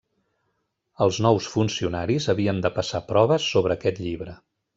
Els nous funcionaris havien de passar proves sobre aquest llibre.